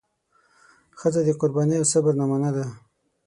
ښځه د قربانۍ او صبر نمونه ده.